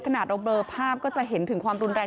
ขนาดเราเบลอภาพก็จะเห็นถึงความรุนแรง